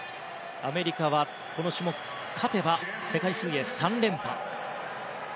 アメリカはこの種目、勝てば世界水泳３連覇。